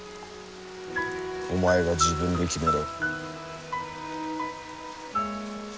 お前が自分で決めろ。